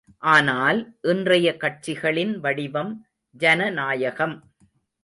ஆனால், இன்றைய கட்சிகளின் வடிவம் ஜனநாயகம்.